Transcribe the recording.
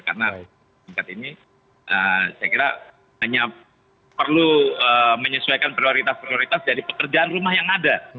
karena singkat ini saya kira hanya perlu menyesuaikan prioritas prioritas dari pekerjaan rumah yang ada